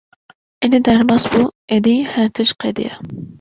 “Êdî derbas bû, êdî her tişt qediya!”